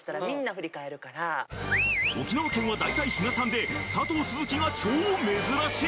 沖縄県は大体比嘉さんで佐藤鈴木が超珍しい！？